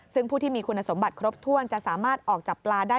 ซึ่งผู้ที่มีคุณสมบัติครบถ้วนจะสามารถออกจับปลาได้